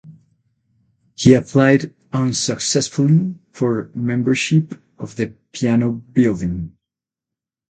He applied unsuccessfully for membership of the piano building.